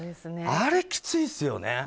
あれきついですよね。